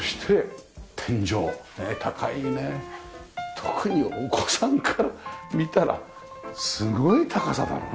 特にお子さんから見たらすごい高さだろうな。